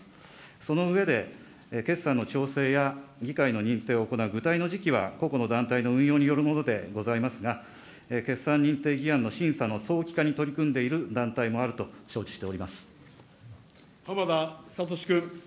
その上で、決算の調整や、議会の認定を行う具体の時期は個々の団体の運用によるものでございますが、決算認定議案の審査の早期化に取り組んでいる団体もあ浜田聡君。